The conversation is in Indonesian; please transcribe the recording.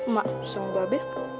mak seng babi